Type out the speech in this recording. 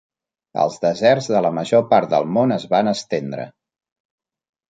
Els deserts de la major part del món es van estendre.